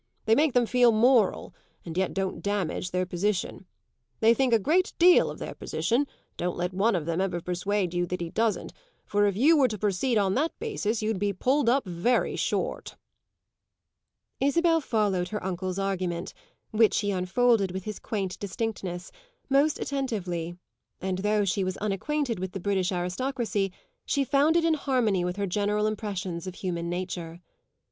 They make them feel moral and yet don't damage their position. They think a great deal of their position; don't let one of them ever persuade you he doesn't, for if you were to proceed on that basis you'd be pulled up very short." Isabel followed her uncle's argument, which he unfolded with his quaint distinctness, most attentively, and though she was unacquainted with the British aristocracy she found it in harmony with her general impressions of human nature.